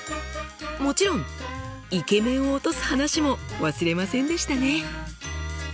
もちろんイケメンを落とす話も忘れませんでしたね！